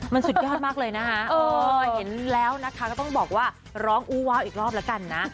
มันสุดยอดมากเลยนะคะเห็นแล้วนะคะก็ต้องบอกว่าร้องอู้ว้าวอีกรอบแล้วกันนะ